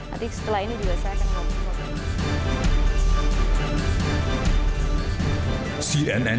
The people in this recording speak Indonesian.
nanti setelah ini juga saya akan ngomong